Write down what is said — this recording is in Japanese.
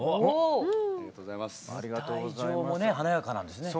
舞台上も華やかなんですね。